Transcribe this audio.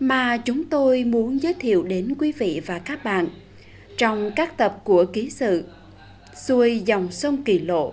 mà chúng tôi muốn giới thiệu đến quý vị và các bạn trong các tập của ký sự xuôi dòng sông kỳ lộ